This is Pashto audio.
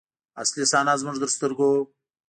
اصلي صحنه زموږ تر سترګو.